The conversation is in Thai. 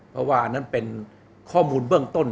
เพราะว่าอันนั้นเป็นข้อมูลเบื้องต้น